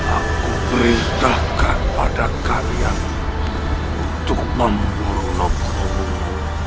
aku beritahkan pada kalian untuk memburukkan